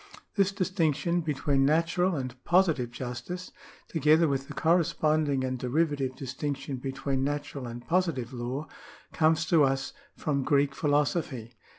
This distinction between natural and positive justice, together with the corresponding and derivative distinction between natural and positive law, comes to us from Greek philosophy.